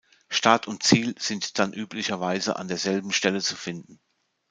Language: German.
Start und Ziel sind dann üblicherweise an derselben Stelle zu finden.